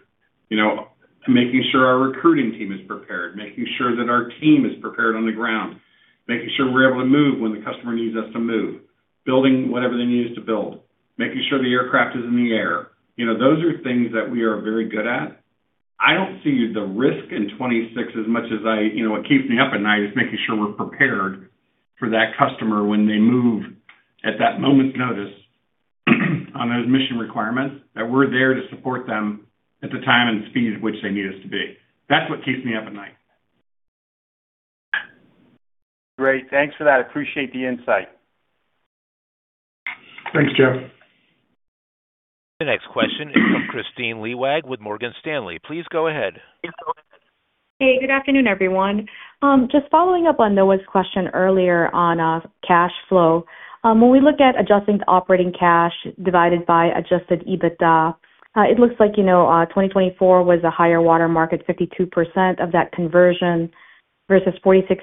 You know, making sure our recruiting team is prepared, making sure that our team is prepared on the ground, making sure we're able to move when the customer needs us to move, building whatever they need us to build, making sure the aircraft is in the air. You know, those are things that we are very good at. I don't see the risk in 26 as much as I. You know, what keeps me up at night is making sure we're prepared for that customer when they move at that moment's notice, on those mission requirements, that we're there to support them at the time and speed at which they need us to be. That's what keeps me up at night. Great. Thanks for that. Appreciate the insight. Thanks, Joe. The next question is from Kristine Liwag with Morgan Stanley. Please go ahead. Hey, good afternoon, everyone. Just following up on Noah's question earlier on cash flow. When we look at adjusting the operating cash divided by Adjusted EBITDA, it looks like, you know, 2024 was a higher water mark at 52% of that conversion versus 46%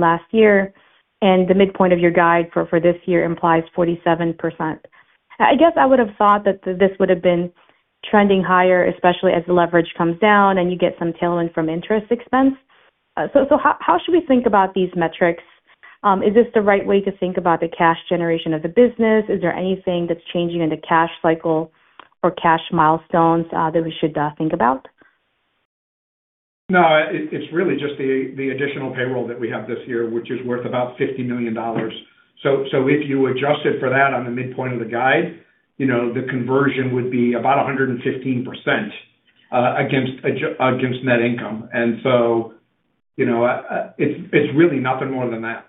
last year. The midpoint of your guide for this year implies 47%. I guess I would have thought that this would have been trending higher, especially as the leverage comes down and you get some tailwind from interest expense.... So, how should we think about these metrics? Is this the right way to think about the cash generation of the business? Is there anything that's changing in the cash cycle or cash milestones that we should think about? It's really just the additional payroll that we have this year, which is worth about $50 million. If you adjusted for that on the midpoint of the guide, you know, the conversion would be about 115% against net income. You know, it's really nothing more than that.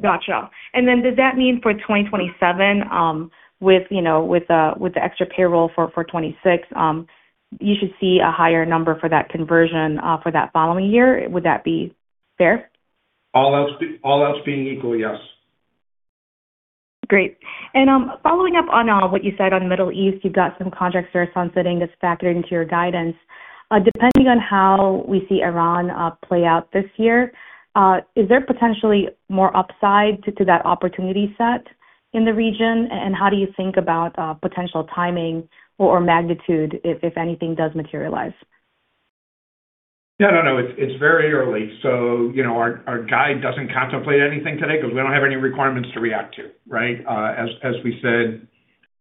Gotcha. Does that mean for 2027, with, you know, with the, with the extra payroll for, for 2026, you should see a higher number for that conversion, for that following year? Would that be fair? All else being equal, yes. Great. Following up on what you said on Middle East, you've got some contracts that are sunsetting, that's factored into your guidance. Depending on how we see Iran play out this year, is there potentially more upside to that opportunity set in the region? How do you think about potential timing or magnitude if, if anything, does materialize? No, no it's, it's very early. You know, our, our guide doesn't contemplate anything today because we don't have any requirements to react to, right? As, as we said,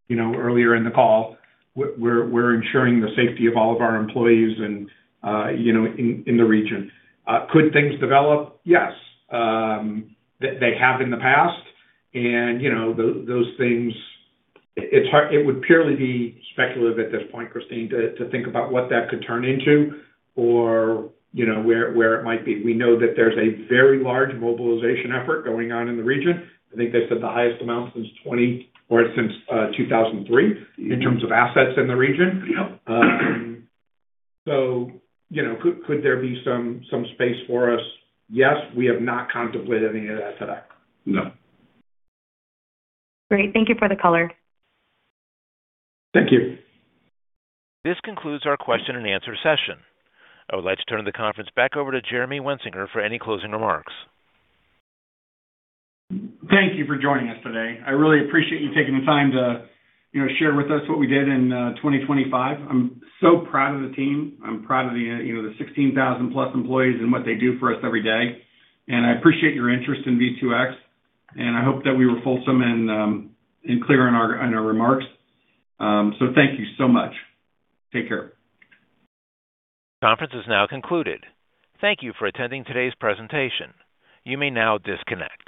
you know, earlier in the call we're ensuring the safety of all of our employees and, you know, in, in the region. Could things develop? Yes. They, they have in the past, and, you know, those things. It's hard. It would purely be speculative at this point, Kristine, to, to think about what that could turn into or, you know where it might be. We know that there's a very large mobilization effort going on in the region. I think they've said the highest amount since 2003 in terms of assets in the region you know, could, could there be some, some space for us? Yes. We have not contemplated any of that today. No. Great. Thank you for the color. Thank you. This concludes our question-and-answer session. I would like to turn the conference back over to Jeremy Wensinger for any closing remarks. Thank you for joining us today. I really appreciate you taking the time to, you know, share with us what we did in 2025. I'm so proud of the team. I'm proud of the, you know, the 16,000 plus employees and what they do for us every day, and I appreciate your interest in V2X, and I hope that we were fulsome and clear in our, in our remarks. Thank you so much. Take care. Conference is now concluded. Thank you for attending today's presentation. You may now disconnect.